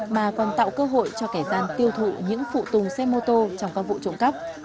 mà còn tạo cơ hội cho kẻ gian tiêu thụ những phụ tùng xe mô tô trong các vụ trộm cắp